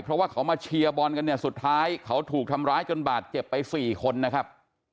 เพราะว่าเขามาเชียร์บอลกันเนี่ยสุดท้ายเขาถูกทำร้ายจนบาดเจ็บไปสี่คนนะครับ